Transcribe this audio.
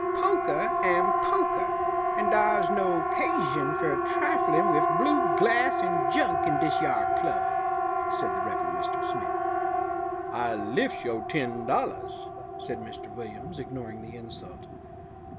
"Pokah am pokah, and dar's no 'casion fer triflin' wif blue glass 'n junk in dis yar club," said the Reverend Mr. Smith. "I liffs yo' ten dollahs," said Mr. Williams, ignoring the insult.